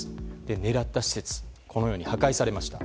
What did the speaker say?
狙った施設はこのように破壊されました。